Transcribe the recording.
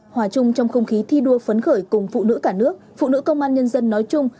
hòa chung trong không khí thi đua phấn khởi cùng phụ nữ cả nước phụ nữ công an nhân dân nói chung